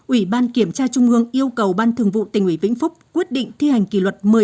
ủy ban kiểm tra trung ương yêu cầu ban thường vụ tỉnh ủy vĩnh phúc quyết định thi hành kỷ luật